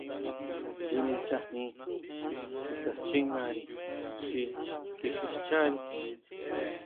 Ngui nichajin chutaxchingári xi kisixchari.